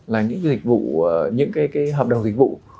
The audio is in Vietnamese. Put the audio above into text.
là những cái hợp đồng dịch vụ